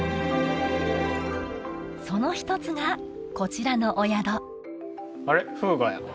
その一つがこちらのお宿あれ？